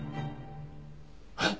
えっ！？